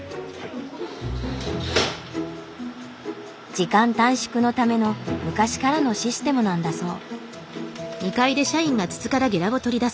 時間短縮のための昔からのシステムなんだそう。